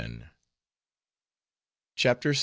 CHAPTER VI.